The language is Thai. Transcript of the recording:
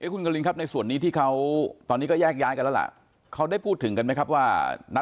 คุณกลิ่นครับในส่วนนี้ที่เขาตอนนี้ก็แยกย้ายกันแล้วล่ะ